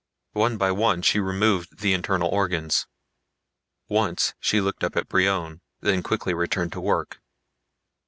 One by one she removed the internal organs. Once she looked up at Brion, then quickly returned to work.